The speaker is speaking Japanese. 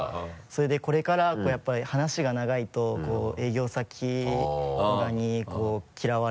それでこれからこうやっぱり話が長いと営業先とかに嫌われたり。